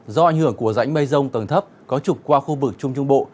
do ảnh hưởng của rãnh mây rông tầng thấp có trục qua khu vực trung trung bộ